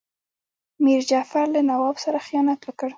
میر جعفر له نواب سره خیانت وکړ.